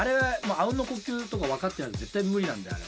あうんの呼吸とか分かってないと絶対無理なんで。